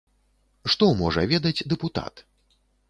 Што можа ведаць дэпутат?